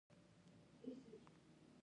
ایا ستاسو سبا ته امید نشته؟